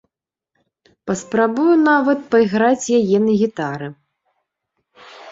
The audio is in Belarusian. Паспрабую нават пайграць яе на гітары.